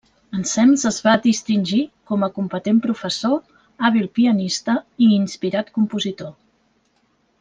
Ensems es va distingir com a competent professor, hàbil pianista i inspirat compositor.